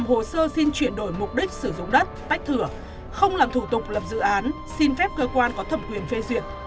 trần thị mỹ hiển không làm hồ sơ xin chuyển đổi mục đích sử dụng đất tách thửa không làm thủ tục lập dự án xin phép cơ quan có thẩm quyền phê duyệt